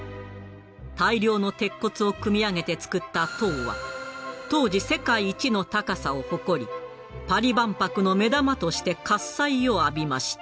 大量の鉄骨を組み上げて造った塔は当時世界一の高さを誇りパリ万博の目玉として喝采を浴びました。